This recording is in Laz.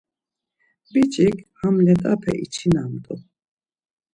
Biç̌i ham let̆ape içinamt̆u.